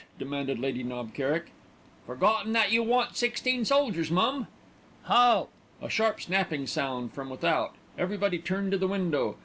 demanded Lady Knob Kerrick. "Forgotten that you want sixteen soldiers, mum." "Halt!" A sharp snapping sound from without. Everybody turned to the window.